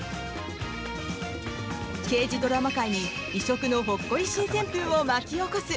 刑事ドラマ界に異色のほっこり新旋風を巻き起こす？